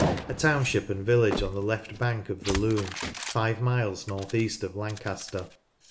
A township and village on the left bank of the Lune, five miles north east of Lancaster.